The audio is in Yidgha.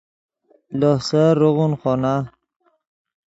لوہ سیر روغون خونا